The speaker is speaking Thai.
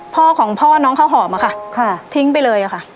พ่อของพ่อน้องข้าวหอมอะค่ะทิ้งไปเลยค่ะ